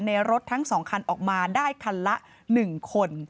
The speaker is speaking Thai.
รถทั้ง๒คันออกมาได้คันละ๑คน